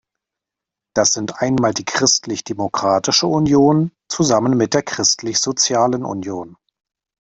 Das sind einmal die Christlich Demokratische Union zusammen mit der Christlich sozialen Union.